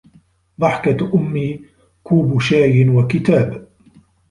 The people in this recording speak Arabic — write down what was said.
ضحكة أمي، كوب شاي و كتاب